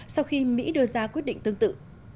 sau khi mỹ đưa ra quyết định tương tự